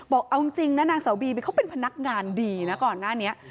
บอกเอาจริงนะนางสาวบีเขาเป็นพนักงานดีนะก่อนหน้านี้